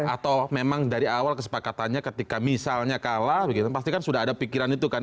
atau memang dari awal kesepakatannya ketika misalnya kalah begitu pasti kan sudah ada pikiran itu kan